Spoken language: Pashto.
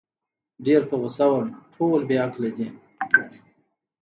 ډېر په غوسه وم، ټول بې عقله دي.